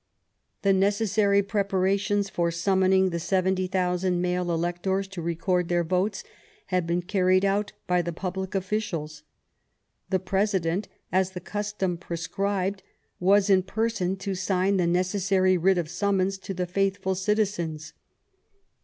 The necessary preparations for summoning the seventy thousand male electors to record their votes had been carried out by the public officials. The President, as the custom prescribed, was in person to sign the necessary writ of summons to the faithful citizens.